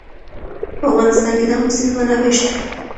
په افغانستان کې د آمو سیند منابع شته.